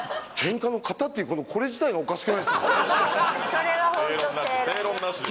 それはホント正論です